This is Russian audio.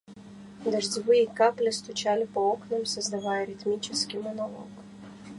Дождевые капли стучали по окнам, создавая ритмический монолог.